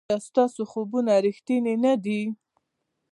ایا ستاسو خوبونه ریښتیني نه دي؟